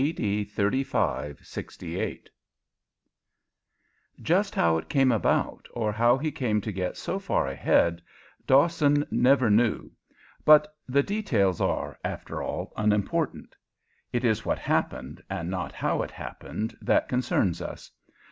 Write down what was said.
D. 3568 [Illustration: Decorative J] ust how it came about, or how he came to get so far ahead, Dawson never knew, but the details are, after all, unimportant. It is what happened, and not how it happened, that concerns us.